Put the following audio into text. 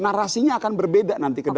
narasinya akan berbeda nanti ke depan